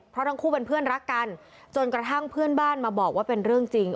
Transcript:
เพราะทั้งคู่เป็นเพื่อนรักกันจนกระทั่งเพื่อนบ้านมาบอกว่าเป็นเรื่องจริง